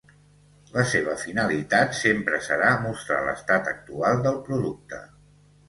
La seva finalitat sempre serà mostrar l'estat actual del producte.